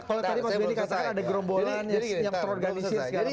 kalau tadi mas beni katakan ada gerombolannya sinyap terorganisasi segala macem